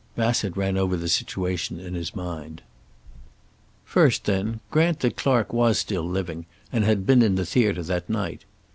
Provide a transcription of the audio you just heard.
Bassett ran over the situation in his mind. First then, grant that Clark was still living and had been in the theater that night.